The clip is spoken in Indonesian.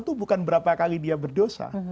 itu bukan berapa kali dia berdosa